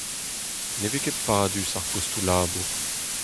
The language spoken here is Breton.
Ne vez ket padus ar postoù-labour.